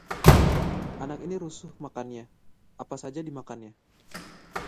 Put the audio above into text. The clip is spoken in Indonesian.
anak ini rusuh makannya, apa saja dimakannya